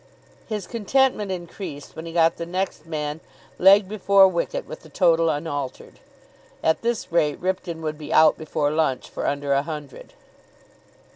His contentment increased when he got the next man leg before wicket with the total unaltered. At this rate Ripton would be out before lunch for under a hundred.